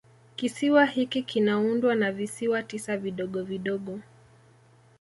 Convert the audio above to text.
Kisiwa hiki kinaundwa na visiwa tisa vidogo vidogo